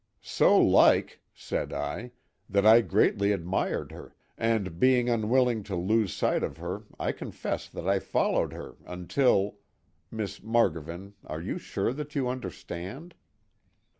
"So like," said I, "that I greatly admired her, and being unwilling to lose sight of her I confess that I followed her until—Miss Margovan, are you sure that you understand?"